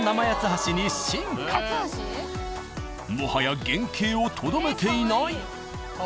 もはや原形をとどめていない。